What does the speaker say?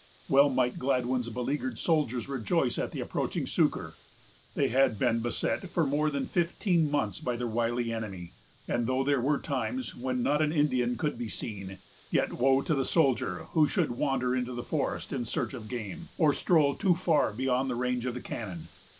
Well might Gladwyn's beleaguered soldiers rejoice at the approaching succor. They had been beset for more than fifteen months by their wily enemy; and though there were times when not an Indian could be seen, yet woe to the soldier who should wander into the forest in search of game, or stroll too far beyond range of the cannon.